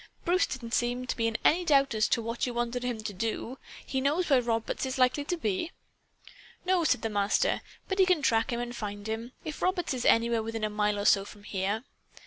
"Bruce didn't seem to be in any doubt as to what you wanted him to do. He knows where Roberts is likely to be?" "No," said the Master. "But he can track him and find him, if Roberts is anywhere within a mile or so from here.